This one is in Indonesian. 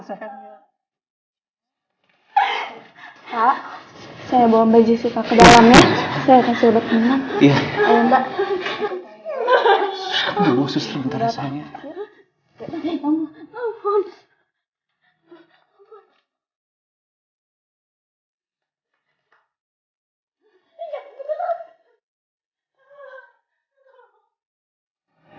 saya bawa baju sifat ke dalamnya saya kasih lebih